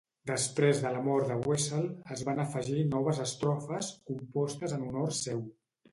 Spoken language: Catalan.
Després de la mort de Wessel, es van afegir noves estrofes, compostes en honor seu.